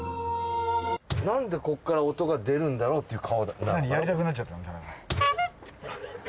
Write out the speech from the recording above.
なんでここから音が出るんだろうっていう顔。